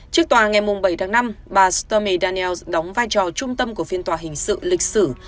trước tòa ngày bảy tháng năm bà stomy dannels đóng vai trò trung tâm của phiên tòa hình sự lịch sử